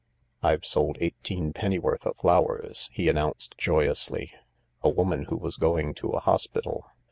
" I've sold eighteenpenny worth of flowers," he announced joyously. "A woman who was going to a hospital.